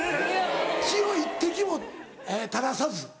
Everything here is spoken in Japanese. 血を一滴も垂らさず。